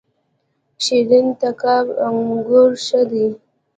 شیرین تګاب انګور ښه دي؟